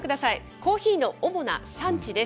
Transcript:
コーヒーの主な産地です。